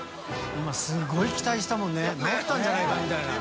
今すごい期待したもんね直ったんじゃないかみたいな。